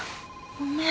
ごめん。